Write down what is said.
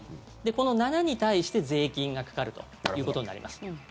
この７に対して税金がかかるということになります。